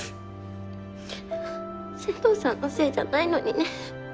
千堂さんのせいじゃないのにね。